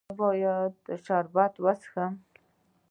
ایا زه باید د خوب شربت وڅښم؟